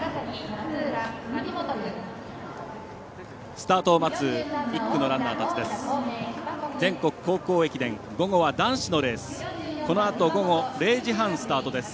スタートを待つ１区のランナーたちです。